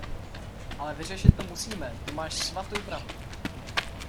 Ale vyřešit to musíme, to máš svatou pravdu.